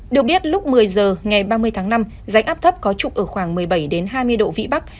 được biết lúc một mươi giờ ngày ba mươi tháng năm rãnh áp thấp có trục ở khoảng một mươi bảy hai mươi độ vĩ bắc